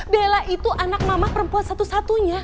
bella itu anak mama perempuan satu satunya